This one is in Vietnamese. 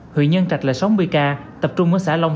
huyện nhân trạch là sáu mươi ca tập trung ở xã long